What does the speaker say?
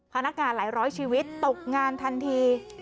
พนักงานหลายร้อยชีวิตตกงานทันที